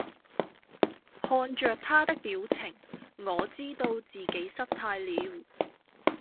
看著他的表情，我知道自己失態了！